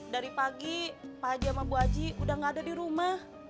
dari pagi pak haji sama bu aji udah gak ada di rumah